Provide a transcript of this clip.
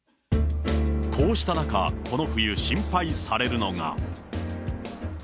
こうした中、この冬、心配されるのが。